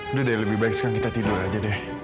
udah deh lebih baik sekarang kita tidur aja deh